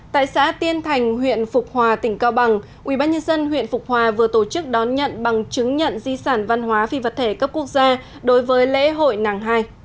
tại xã tiên thành huyện phục hòa tỉnh cao bằng ubnd huyện phục hòa vừa tổ chức đón nhận bằng chứng nhận di sản văn hóa phi vật thể cấp quốc gia đối với lễ hội nàng hai